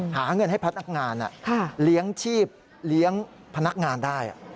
หาเงินให้พนักงานเลี้ยงชีพเลี้ยงพนักงานได้